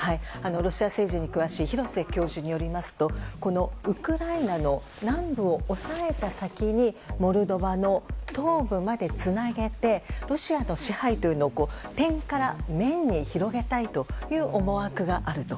ロシア政治に詳しい廣瀬教授によりますとこのウクライナの南部を抑えた先にモルドバの東部までつなげてロシアの支配というのを点から面に広げたいという思惑があると。